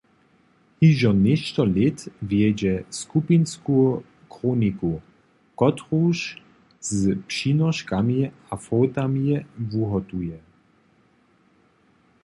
Hižo něšto lět wjedźe skupinsku chroniku, kotruž z přinoškami a fotami wuhotuje.